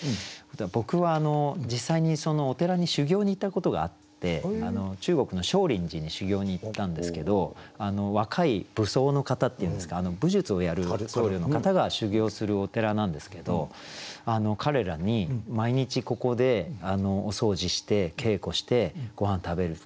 僕は実際にお寺に修行に行ったことがあって中国の少林寺に修行に行ったんですけど若い武僧の方っていうんですか武術をやる僧侶の方が修行をするお寺なんですけど彼らに毎日ここでお掃除して稽古してごはん食べる